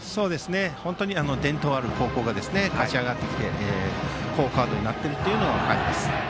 本当に伝統ある高校が勝ち上がってきて好カードになっていると感じます。